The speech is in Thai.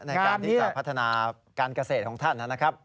ในการที่จะพัฒนาการเกษตรของท่านนะครับ